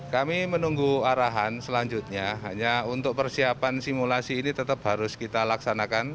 kami menunggu arahan selanjutnya hanya untuk persiapan simulasi ini tetap harus kita laksanakan